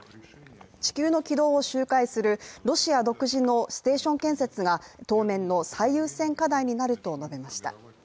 地球の軌道を周回するロシア独自のステーション建設が当面の最優先課題になると述べました。